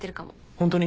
ホントに？